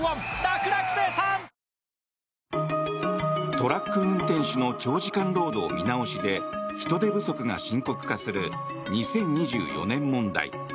トラック運転手の長時間労働見直しで人手不足が深刻化する２０２４年問題。